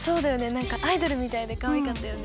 なんかアイドルみたいでかわいかったよね。